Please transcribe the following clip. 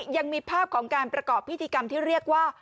ยังมีภาพของการประกอบพิธีกรรมที่เรียกว่า